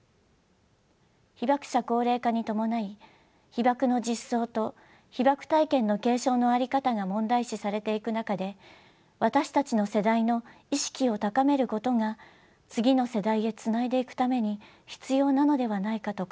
被爆者高齢化に伴い被爆の実相と被爆体験の継承の在り方が問題視されていく中で私たちの世代の意識を高めることが次の世代へつないでいくために必要なのではないかと考え